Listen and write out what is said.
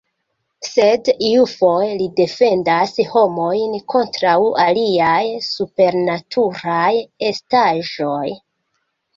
Sed iufoje li defendas homojn kontraŭ aliaj "supernaturaj" estaĵoj.